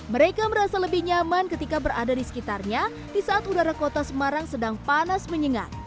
mereka merasa lebih nyaman ketika berada di sekitarnya di saat udara kota semarang sedang panas menyengat